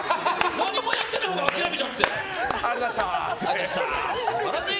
何もやってないほうが諦めちゃって！